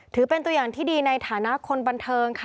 ถือเป็นตัวอย่างที่ดีในฐานะคนบันเทิงค่ะ